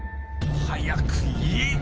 早く言え。